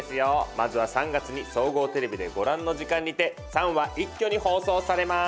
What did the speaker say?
まずは３月に総合テレビでご覧の時間にて３話一挙に放送されます。